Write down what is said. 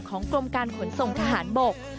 กรมการขนส่งทหารบก